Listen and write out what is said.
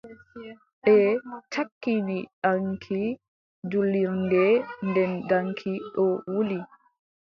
Ɓe cakkini daŋki jurlirnde, nden daŋki ɗo wuli.